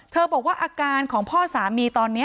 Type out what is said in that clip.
บอกว่าอาการของพ่อสามีตอนนี้